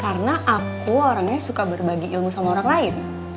karena aku orangnya suka berbagi ilmu sama orang lain